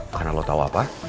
karena lo tau apa